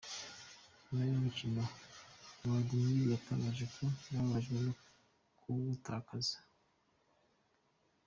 Nyuma y’umukino Wladimir yatangaje ko yababajwe no kuwutakaza.